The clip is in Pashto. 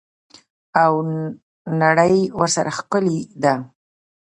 او نړۍ ورسره ښکلې ده.